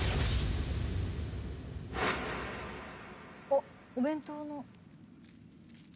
おっお弁当の。